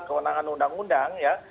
kewenangan undang undang ya